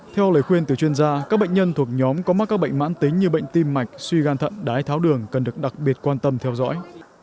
theo lời khuyên từ chuyên gia các bệnh nhân thuộc nhóm có mắc các bệnh mãn tính như bệnh tim mạch suy gan thận đái tháo đường cần được đặc biệt quan tâm theo dõi